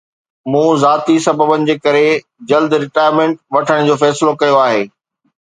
مون ذاتي سببن جي ڪري جلد رٽائرمينٽ وٺڻ جو فيصلو ڪيو آهي